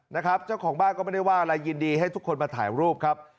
นะครับเจ้าของบ้านก็ไม่ได้ว่าอะไรยินดีให้ทุกคนมาถ่ายรูปครับ